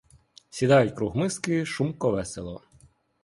Сідають круг миски, шумко, весело.